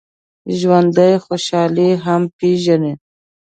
ژوندي خوشحالي هم پېژني